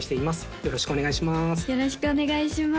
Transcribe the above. よろしくお願いします